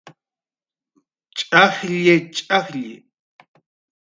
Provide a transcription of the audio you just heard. Ch'ajlli, Ch'alli